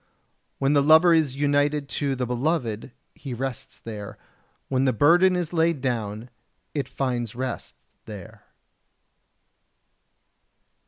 When the lover is united to the beloved he rests there; when the burden is laid down it finds rest there.